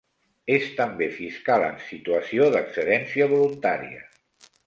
És també fiscal en situació d'excedència voluntària.